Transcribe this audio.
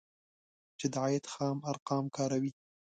چې د عاید خام ارقام کاروي